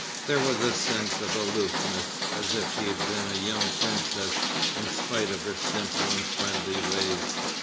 There was a sense of aloofness, as if she had been a young princess, in spite of her simple and friendly ways.